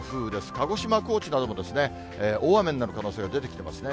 鹿児島、高知なども大雨になる可能性も出てきてますね。